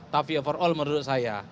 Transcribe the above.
tapi overall menurut saya